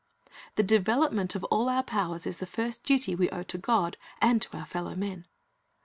The development of all our powers is the first duty we owe to God and to our fellow men.